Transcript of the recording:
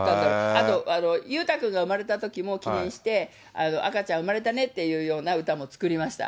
あと、裕太君が生まれたときも、記念して、赤ちゃん生まれたねっていうような歌も作りました。